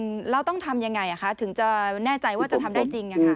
ทำได้จริงเราต้องทำยังไงถึงจะแน่ใจว่าจะทำได้จริง